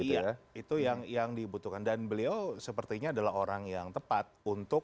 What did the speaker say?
iya itu yang yang dibutuhkan dan beliau sepertinya adalah orang yang tepat untuk